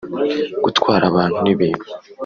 gutwara abantu n’ibintu